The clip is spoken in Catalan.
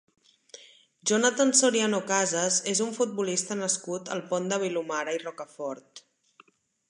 Jonathan Soriano Casas és un futbolista nascut al Pont de Vilomara i Rocafort.